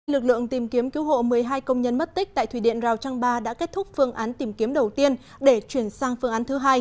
lực lượng tìm kiếm cứu hộ một mươi hai công nhân mất tích tại thủy điện rào trăng ba đã kết thúc phương án tìm kiếm đầu tiên để chuyển sang phương án thứ hai